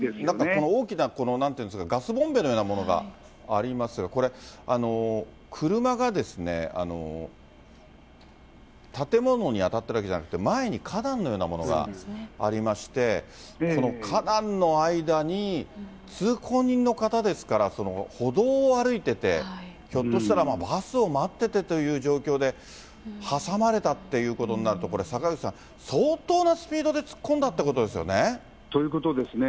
この大きな、なんというんですが、ガスボンベのようなものがありますが、これ、車がですね、建物に当たったわけじゃなくて、前に花壇のようなものがありまして、この花壇の間に通行人の方ですから、歩道を歩いてて、ひょっとしたら、バスを待っててっていう状況で、挟まれたっていうことになると、これ、坂口さん、相当なスピードで突っ込んだってことですよね。ということですね。